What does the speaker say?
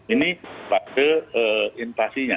ini fase invasinya